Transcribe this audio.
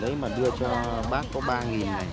lấy mà đưa cho bác có ba này